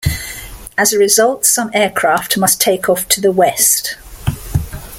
As a result, some aircraft must take off to the west.